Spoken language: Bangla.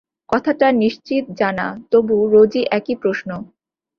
কথাটা নিশ্চিত জানা, তবু রোজই একই প্রশ্ন।